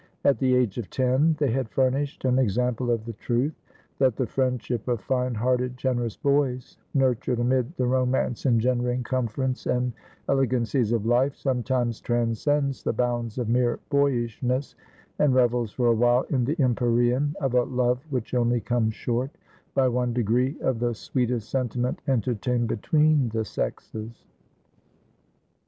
At the age of ten, they had furnished an example of the truth, that the friendship of fine hearted, generous boys, nurtured amid the romance engendering comforts and elegancies of life, sometimes transcends the bounds of mere boyishness, and revels for a while in the empyrean of a love which only comes short, by one degree, of the sweetest sentiment entertained between the sexes.